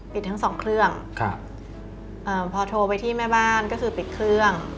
ปิดทั้งสองเครื่องพอโทรไปที่แม่บ้านก็คือปิดเครื่อง